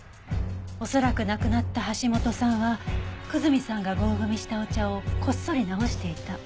恐らく亡くなった橋本さんは久住さんが合組したお茶をこっそり直していた。